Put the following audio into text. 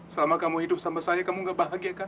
selama kamu hidup sama saya kamu gak bahagia kan